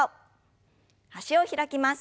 脚を開きます。